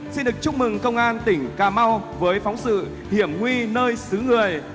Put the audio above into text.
xin được chúc mừng công an tỉnh cà mau với phóng sự hiểm nguy nơi xứ người